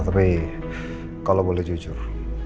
tapi kalau boleh jujur